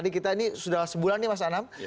kita ini sudah sebulan nih mas anam